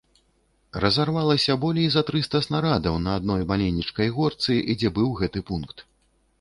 Разарвалася болей за трыста снарадаў на адной маленечкай горцы, дзе быў гэты пункт.